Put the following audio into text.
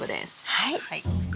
はい。